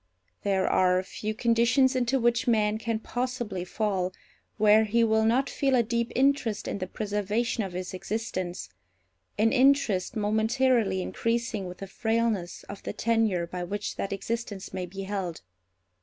There are few conditions into which man can possibly fall where he will not feel a deep interest in the preservation of his existence; an interest momentarily increasing with the frailness of the tenure by which that existence may be held.